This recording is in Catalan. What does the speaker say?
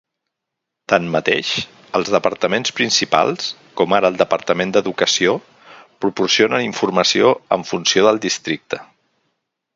Tanmateix, els departaments principals, com ara el Departament d'Educació, proporcionen informació en funció del districte.